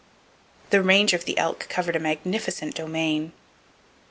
The range of the elk covered a magnificent domain.